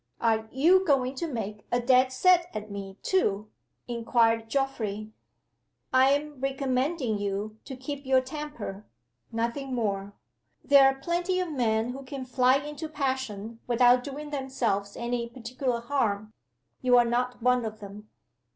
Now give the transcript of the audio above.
"Are you going to make a dead set at me, too?" inquired Geoffrey. "I am recommending you to keep your temper nothing more. There are plenty of men who can fly into a passion without doing themselves any particular harm. You are not one of them."